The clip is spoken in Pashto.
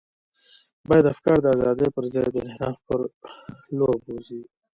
باید افکار د ازادۍ پر ځای د انحراف پر لور بوزي.